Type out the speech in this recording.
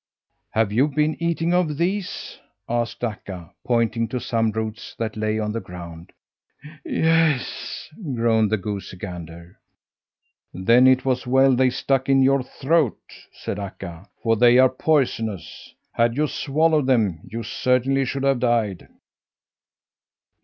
"Have you been eating of these?" asked Akka, pointing to some roots that lay on the ground. "Yes," groaned the goosey gander. "Then it was well they stuck in your throat," said Akka, "for they are poisonous. Had you swallowed them, you certainly should have died."